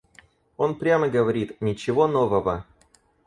Он прямо говорит: «Ничего нового».